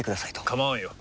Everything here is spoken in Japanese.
構わんよ。